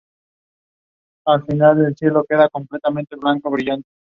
Los ojos son verdes.